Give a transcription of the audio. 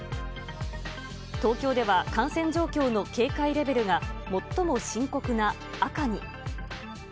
東京では、感染状況の警戒レベルが最も深刻な赤に。